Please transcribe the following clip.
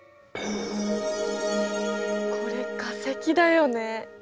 これ化石だよね。